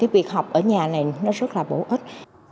việc học ở nhà này rất là bổ ích